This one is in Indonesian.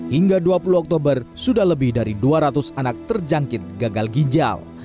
hingga dua puluh oktober sudah lebih dari dua ratus anak terjangkit gagal ginjal